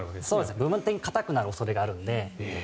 部分的に硬くなる恐れがあるので。